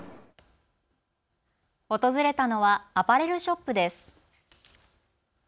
訪れたのはアパレルショップです。